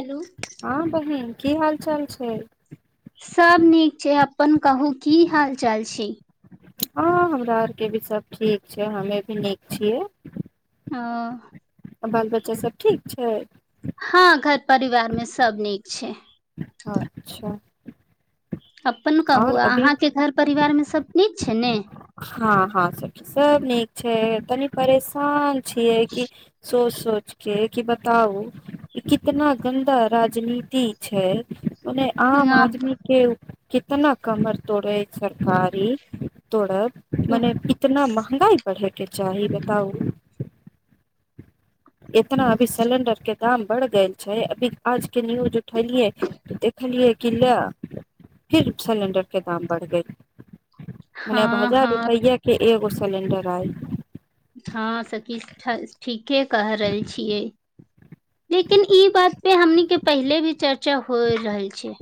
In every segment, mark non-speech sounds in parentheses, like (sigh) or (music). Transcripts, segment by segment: hello हँ बहिन की हाल चाल छै सभ नीक छै अपन कहू की हाल चाल छै हँ हमरा आरके भी सभ ठीक छै हमे भी नीक छियै हाँ अ आ बाल बच्चा सब ठीक छै हँ घर परिवार मे सब नीक छै अच्छा अपन कहू आओर अभी अहाँके घर परिवार मे सब नीक छै ने हँ हँ सी सब नीक छै तनी परेशान छियै कि सोच सोच के कि बताउ कितना गन्दा राजनीति छै ओने आम यहाँ- आदमी के कितना कमर तोड़े सरकारी तोड़ब मने इतना महँगाई बढ़े के चाही बताउ इतना अभी सिलेंडर के दाम बढ़ गेल छै अभी आज के न्यूज उठेलियै देखलियै कि ला फिर सिलेंडर के दाम बढ़ गेलय मने हँ हजार हँ रुपैआ के एगो सिलिंडर आय हँ सची ठीक के क रहल छियै लेकिन ई बात से हमनीके पहिले भी चर्चा हो रहल छै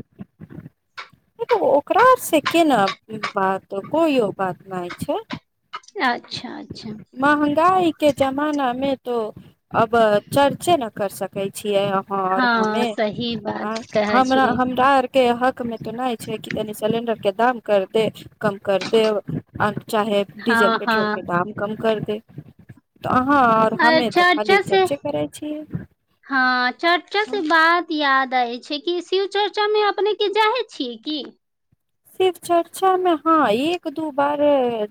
तऽ ओकरा से केना बात कोइो बात नहि छै अच्छा अच्छा महंगाई के जमाना मे तऽ अब चढ़चे ने कर सकै छै की और हाँ हँ हमें सही बात कहै हमरा छियै हमरा आर के हक मे तो नहि छै कि तनि सिलेंडर के दाम कर दे कम कर देब चाहे हँ डीजल पेट्रोल के दाम कर दे तऽ अहाँ आओर अ हमे तऽ खाली चर्चा से चर्चे करै छियै हँ चर्चा से बात याद दै छै कि शिव चर्चा मे अपने के चाहे छियै किी सिर्फ चर्चा मे हँ एक दू बार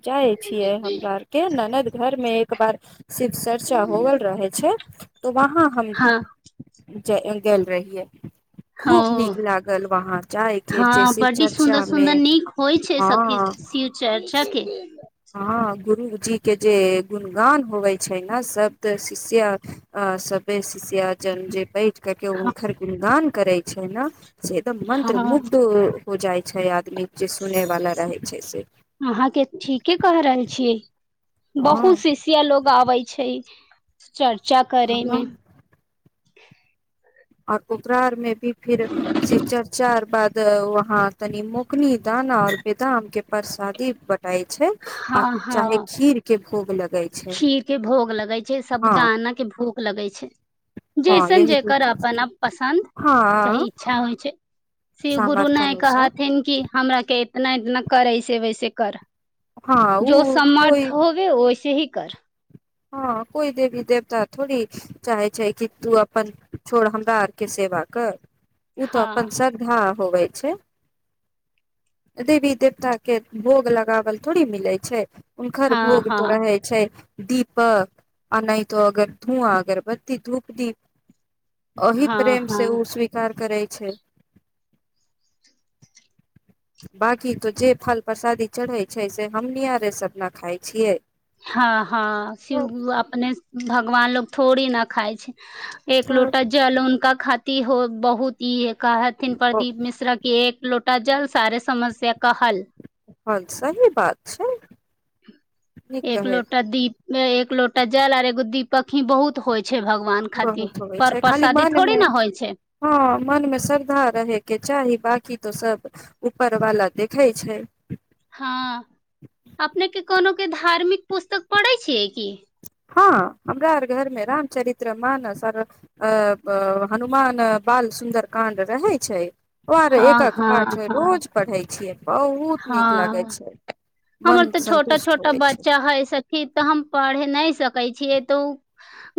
जाय छियै हमरा आर के ननद घर मे बार शिव चर्चा होवल रहे छै त वहाँ हम हँ जे गेल रहियै ओ खूब नीक लागल वहााँ जाय कें जे हँ शिव बड्डी चर्चा सुन्दर मे सुन्दर नीक होइ छै सखी हँ शिव चर्चा के गुरुजी के जे गुणगान होवे छै ने सबद शिष्या सब शिष्य जन् जे बै कर के हुनकर गुणगान करे छै ने सेद मन्त्र हँ मुगधू हो जाइत छय आदमी जे सुने वाला रहे छै से अहाँके ठीके क रहल छीयै बहुत हँ शिष्यया लोग आबै छै चल चर्चा हँ करेयमे (unintelligible) आओर ओकररार मेमे फिर से शिव चर्चा आ बाद त वहाँ तऽनि मु कनीद न (inaudible) बेदाम कें परसादी बँट छै आ हँ चाहे हँ खीर के भोग लगै छै खीर के हँ लगै छै हँ जैसन यही दू जेकर चीज अपन के आ पसन्द चाहे हँ इच्छा होइ छै शिव गुरु ने सामर्थ्य अनुसार कहथिन कि हमरा के नहि करय छय ऐसे वैसे कर हँ जो ओ कोइ समर्थ होवे ओ सेही कर हँ कोइ देवी देवता थोड़ी चाहै छै कि तू अपन छोड़ हमरा आरके सेवा कर ओ तऽ अपनन हँ श्रद्धा होबै से -देवी देवता के भोग लगावल थोड़े मिलै छै हुनकर हँ भोग हँ तो रहे छै दीप ब आ नहि त अगर धुआ अगर बतती धूप दीप अहि हँ प्रेम से हँ ओ स्वीकार करै छै बांकी तो जे फल प्रसादी चढ़ै छै से हमनि आ रे सबना खााय छियै हँ हँ त शिवगुरु अपने भगवान लोग थोड़ी न खााय छै एक लोटा जल उनका ख इ हो बहुत ई एक कहथिन त प्रदीप मिश्रा की एक लोटा जल सारे समस्य का हल हँ सही बात छै नीक एक कहै लोटा दीप मे एक लोटा जल आर एगो दीपक ही बहुत होइ छै भगवान खातिर बहुत होइ पर छै खाली प्रसादी थोड़ी मनमे न होइ छै हँ मनमे श्रद्धा रहेके चाही बकी तो सब उपर वाला देखै छै हँ अपनेके कोनोक के धार्मिक पुस्तक पढ़ै छियै की हँ हमरा आर घर मे रामचरित्र मानर हनुमान बाल सुन्दर कांड रहै छै ओ आर हँ एकक पाठ हँ हो हँ रोज पढ़ै छियै बहुत नीक लागे हँ छै हमर मन तऽ छोटा संन्तुष्ट छोटा होवे छै बच्चा हे सखी तऽ हम पढ़ नहि सकै छियै तऽ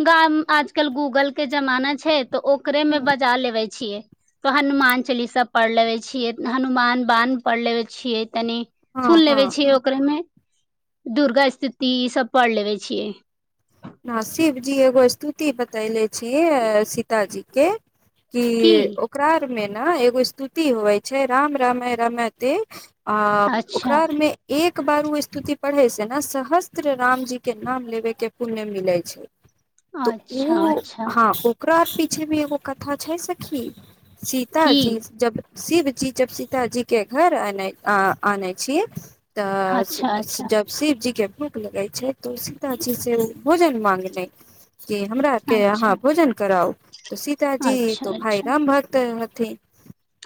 गाम आजकल गूगल के जमाना छै तऽ ओकरे में बजा लेबे छियै त हनुमान चालीसा पढ़ लेबे छियै हनुमान बान पढ़ लेवे छियै तनी हँ फूल लेबे हँ ओकरा मे दुर्गा स्थिति ई सब पढ़ लेबे छियै हाँ शिव जी एगो स्तुति बतयलें छिय सीता जी कें की ओकरा आर मे ने एगो स्तुति होइ छै राम रमे रमे ते अ अच्छा ओकरामे एक बार ओ स्तुति पढ़ै से ने सहस्र रामजी के नाम लेबे के पुण्य मिलै छै तऽ अच्छा ओ अच्छा हँ ओकर राशि छय एगो कथा छै सखी सीता की जी जब शिव जी जब सीतााजी के घर आने आने छी अच्छा तऽ अच्छा जब शिव जी के भूख लगे छै तो सीता जी सँ भोजन मांग जे हमरा आर के यहाँ अच्छा भोजन कराउ त सीतााजी अच्छा तो भाय अच्छा राम भक्त ठीक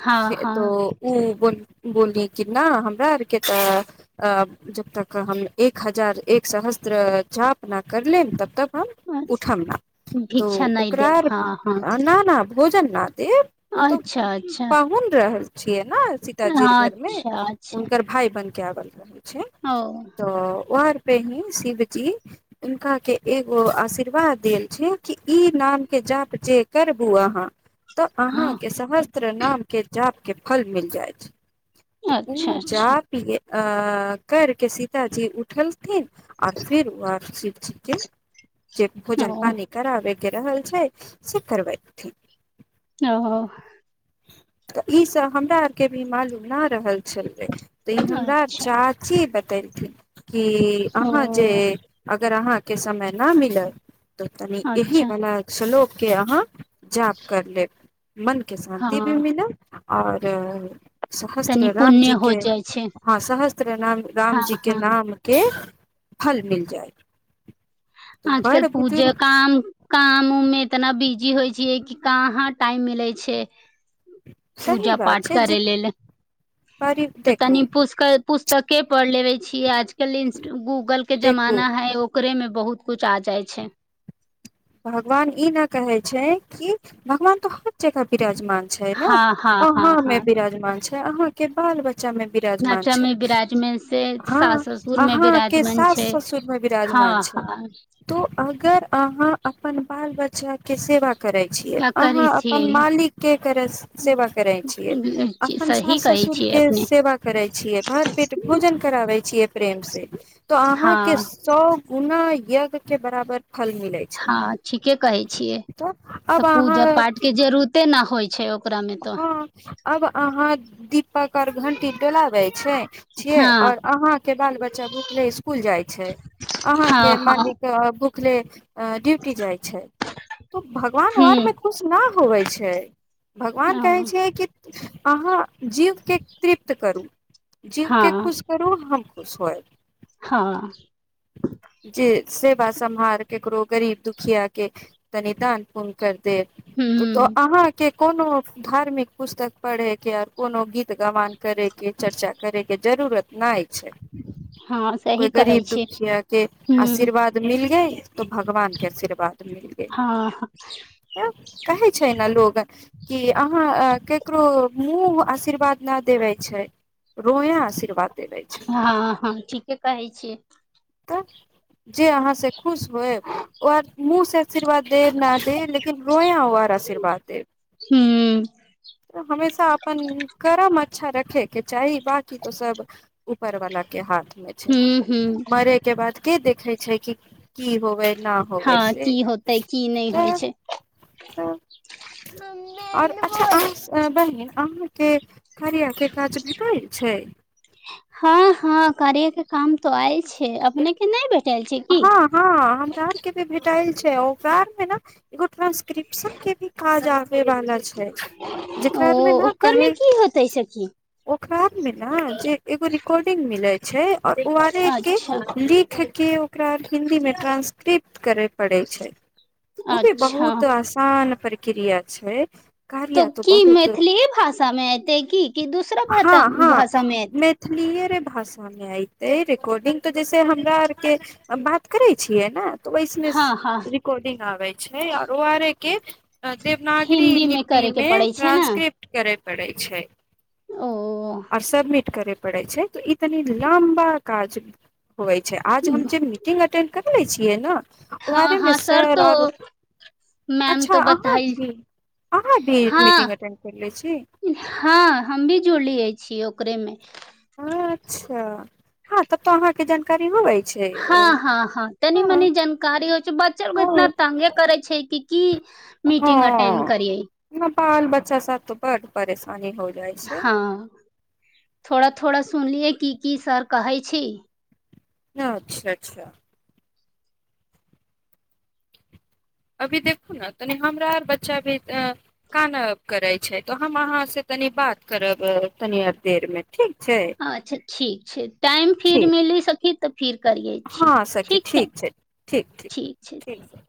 हँ से तऽ हँ ओ बोल बोलली कि नहि हमरा आरके तऽ जब तक हम एक हजार एक सहस्त्र चाप ना कर लेन तब तक (inaudible) उठब ना त भिक्षा नहि ओकरा देब आर हँ हँ ना ना भोजन आर दे ओ तो अच्छा अच्छा पाहुन रहल छिय न सीतााजी हाँ, घर मे अच्छा अच्छा उनकर भााय बनत क्य गल करै छै ओ त उहा पही शिवजी हुनकाके एगो आशीर्वाद देल छै कि ई नामके जाप जे करबू अहाँ तऽ हँ अहाँके सहस्त्र नामके जाप के फल मिल जाइ छै त अच्छा हू अच्छा जाापिय अ करिक सीताजी उठलथिन आओर फिर शिव जी के जे भोजन ओ पानि करा ओय कें रहल छै से करबय ओ तऽ ई सब हमरा आर के भी मालूम ना रहल तऽ ई हमरा अच्छा चाची बत तै छै कि अहाँ जे ओ अहाँके समय ना मिलल त तनी यही अच्छा बनाएल छलो के अहाँ जाप कर लेब मन के शान्ति भी हँ मिल आओर तनी सहस्त्र राम पुण्य जी हो के जाइ छै हँ सहस्त्र राम हँ रामजीे हँ नामके फल मिल जाए आजकल पूजा बुजुर्ग काम काम उम मे इतना बीज जी होइ छियै कि कहाँ टाइम मिलै छै सही पूजा बात पाठ छै जे करै पर तऽ तनी देखू पुष्क पुस्तके पढ़ लेबे छीयै आजकल इंस्टाग गूगल गूगल के देखू जमाना है ओ ओकरेमे बहुत कुछ आ जाइ छै भगवान ई न कहे छै कि भगवान तो हर जगह विराजमान बिमान छै ने हँ हँ अहाँ हँ मे हँ बिराजमान छै अहाँ के बाल बच्चा बच्चा मे बिराजमान नचा छै मे विराजमान से सास हँ ससुर मे अहाँके विराजमान सास छै ससुर में बिराजमान हँ छै हँ तो अगर अहाँ अपन बाल बच्चा के सेवा करै छियै अहाँ करै अपन छियै मालिकके कर सेवा करैत छियै अपन सही सास कहै छियै ससुरके अपने सेवा करैत छियै भर पेट भोजन कराबै छियै प्रेमसे तऽ अहाँके हँ सब पुनाः यगके बराबर फल मिलै छै ह ठीके कहे छियै तऽ अब पूजा अहाँ पाठ के जरूरते न होइ छै ओकरा मे तो हँ अब अहाँ दीप पकर घंटी डोलाबे छै छिये और हँ अहााँ के बाल बच्चा भूखले स्कूल जाय छै अहां हँ के हँ मालिक भूखले ड्यूटी जाय छै तो भगवान आर में खुश न होवे छै छै भगवान कहै हूँ छै कि अहाँ जीवके तृप्त करू जीवके हँ खुश करू हम स हँ (inaudible) जे सेवा समहार केकरौ गरीब दुखिया के तनिदान पूण करु त हूँ अहाँके कोनो धार्मिक पुस्तक पढ़े के आर कोनो गीत गवान करेके चर्चा करे के जरूरत नहि छय हँ कोइ सही कहै गरीब छी दुखिया के हूँ आशीर्वाद मिल गय तो भगवान के आशीर्वाद हँ कहै छै ने लोग अहाँ केकरो मुँह आशीर्वाद न देबै छै रोय आशीर्वाद देवे छै हँ हँ ठीके कहै छियै तऽ जे अहाँसँ खुश होएब ओ आर मुँहसँ आशीर्वाद देब न दे लेकिन रोयाँ ओ आर आशीर्वाद देब हुँ हमेशा अपन कर्म अच्छा रखे के चाही बाकी तो सब ऊपर वाला के हाथ छै हूँ हूँ मरे के बाद के देखे छै कि की होवे न होबै हँ से की होतै की नहि होइ तऽ छै ह आओर अच्छा आ बहिन अहाँके कार्या के काज भेटइ छै हँ हँ कार्य काम तऽ आइ छे अपनेके नहि भेटल छै की हँ (inaudible) ट्रान्सक्रिप्शन के भी काज आबे वाला छै ओ जेकरामे न ओकर मे कहे की होतै सखी खराब मे ने जे एगो रिकॉर्डिंग मिले छै ओ आर आरे के अच्छा लिखके ओकरा हिन्दी मे ट्रांसलेट स्क्रिप्ट करैय पड़ै छै ओ भी अच्छा बहुत आसान प्रक्रिया छै तऽ कार्या तो की बहुत मैथिलीए भाषामे एयतै की क दूसरा भाषामे एतै ह सान आयत रेेकर्डिंग तऽ जैसे हमरा आरके बात करै छियै ने ओहिस मे हँ हँ रिकॉर्डिंग आबे छै और ओ आर ए के देवनागरी हिन्दी मे लिपि करे के में पड़ै छै ने ट्रानंसक्रिप्ट करे पड़ै छै ओ आओर सबबमिट करे पड़ै छै त ई तनि लम्बा काज होइ छै आज हम जे मीटिंग टेप करबय छियै ने हँ ओहरे मे हँ सर तो आओर मैम अच्छा तो अहाँ बताई भी अहाँ भी मीटिंग हँ अटेंड करले छी हँ हम भी जो लिय छीिय ओकरे मे (unintelligible) अच्छा हँ ततो अहाँके जानकारी होबै छै हँ हँ हँ तनी हँ मनी जानकारी हो बच्चा लग इतना हँ तंगे करै छै कि की मीटिंग अटेंड हँ करियै बाल बच्चा साथ त बड परेशानी हो जाइ छै हँ थोड़ा थोड़ा सुनलियै की की सर कहै छी हँ अच्छा अच्छा अभी देखू ने तनि हमरा आर बच्चा भी कान करै छै तऽ हम अहाँ से तनि बात करब तनी आर देर मे ठीक छै अच्छा ठीक छै टाइम फिर ठीक मिली सकी तऽ फिर करियै छी हँ सखी है ठीक छै ठीक ठीक ठीक छै